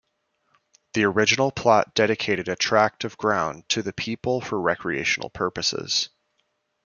The original plot dedicated a tract of ground to the people for recreational purposes.